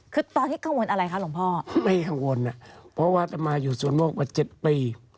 คือตอนนี้กังวลอะไรคะหลวงพ่อไม่กังวลอ่ะเพราะว่าอัตมาอยู่สวนโมกมาเจ็ดปี